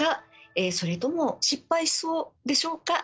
それとも失敗しそうでしょうか？